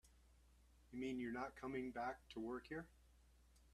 You mean you're not coming back to work here?